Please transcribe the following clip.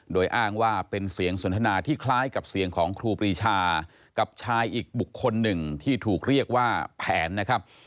โดยอ้างว่าเป็นเสียงสนทนาที่คล้ายกับเสียงของครูปรีชากับชายอีกบุคคลหนึ่งที่ถูกเรียกว่าแผนนะครับ